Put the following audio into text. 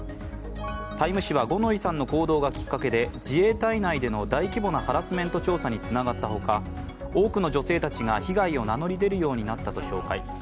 「タイム」誌は五ノ井さんの行動がきっかけで自衛隊内での大規模なハラスメント調査につながったほか多くの女性たちが被害を名乗り出るようになったと紹介。